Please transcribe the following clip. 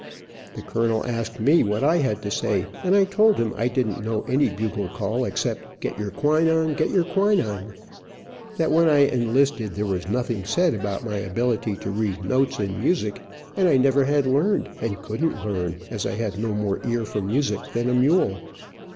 The colonel asked me what I had to say, and I told him I didn't know any bugle call except get your quinine, get your quinine. That when I enlisted there was nothing said about my ability to read notes in music, and I had never learned, and couldn't learn, as I had no more ear for music than a mule.